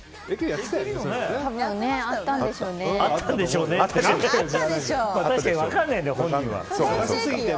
あったんでしょうねって。